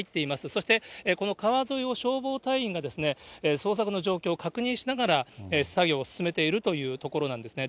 そしてこの川沿いを消防隊員が捜索の状況を確認しながら、作業を進めているというところなんですね。